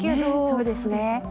そうですね。